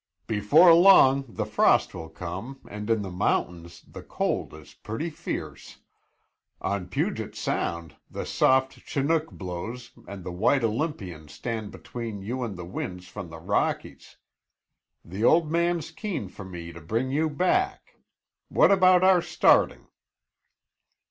"Before long the frost will come and in the mountains the cold is pretty fierce. On Puget Sound the soft Chinook blows and the white Olympians stand between you and the winds from the Rockies. The old man's keen for me to bring you back. What about our starting?"